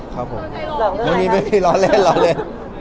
ทำไมถึงขอบลงครับเป็นทำอะไร